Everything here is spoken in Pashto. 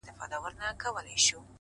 ابن مريمه زما له سيورې مه ځه”